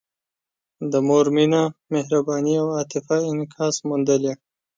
د مور مینه، مهرباني او عاطفه انعکاس موندلی.